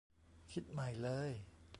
คิดใหม่เลย